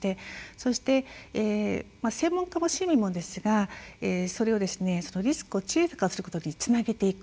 そして専門家も市民もですがそれをリスクを小さくすることにつなげていく。